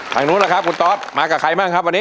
ข้างโน้นนะครับคุณตอธมากับใครบ้างครับวันนี้